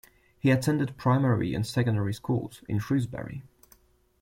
He attended primary and secondary schools in Shrewsbury.